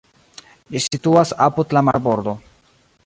Ĝi situas apud la marbordo.